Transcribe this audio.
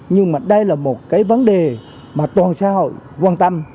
nhưng mà đây là một cái vấn đề mà toàn xã hội quan tâm